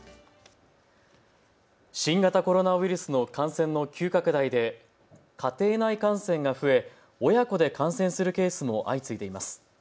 新型コロナウイルスの感染の急拡大で家庭内感染が増え親子で感染するケースも相次いでいます。